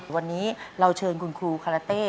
วันนี้เราเชิญคุณครูคาราเต้